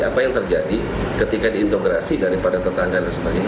apa yang terjadi ketika diintegrasi daripada tetangga dan sebagainya